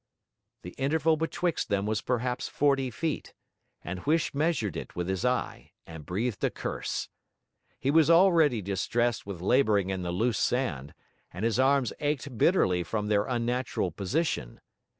The interval betwixt them was perhaps forty feet; and Huish measured it with his eye, and breathed a curse. He was already distressed with labouring in the loose sand, and his arms ached bitterly from their unnatural position.